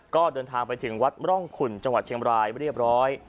ก็เดินทางไปถึงวัดร่องขุนจังหวัดเชียงบรายเรียบร้อย